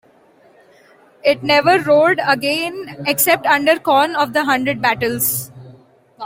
It never roared again except under Conn of the Hundred Battles.